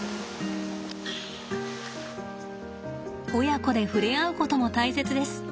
親子で触れ合うことも大切です。